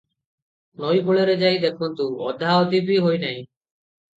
ନଈକୂଳରେ ଯାଇ ଦେଖନ୍ତୁ, ଅଧାଅଧି ବି ହୋଇନାହିଁ ।